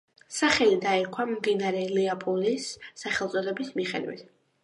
სახელი დაერქვა მდინარე ლუაპულის სახელწოდების მიხედვით.